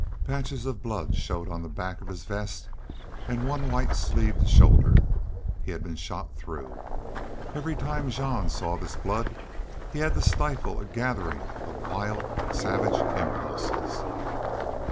Patches of blood showed on the back of his vest and one white sleeved shoulder. He had been shot through. Every time Jean saw this blood he had to stifle a gathering of wild, savage impulses.